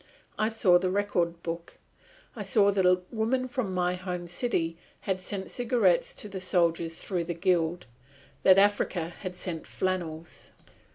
I saw the record book. I saw that a woman from my home city had sent cigarettes to the soldiers through the Guild, that Africa had sent flannels!